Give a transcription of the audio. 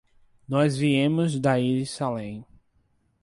Nós viemos da íris Salem.